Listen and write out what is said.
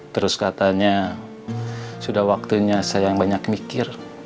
terus katanya sudah waktunya saya yang banyak mikir